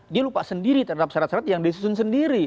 dia lupa sendiri terhadap syarat syarat yang disusun sendiri